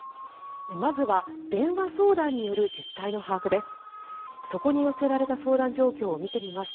まずは電話相談による実態の把握です。